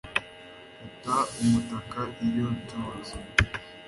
Mfata umutaka iyo nsohotse